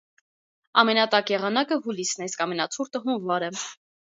Ամենատաք եղանակը հուլիսն է, իսկ ամենացուրտը՝ հունվարը։